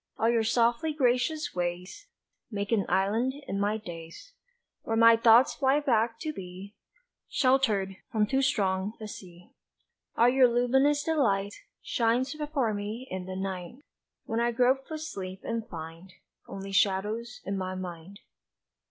All your softly gracious ways Make an island in my days Where my thoughts fly back to be Sheltered from too strong a sea. All your luminous delight Shines before me in the night When I grope for sleep and find Only shadows in my mind.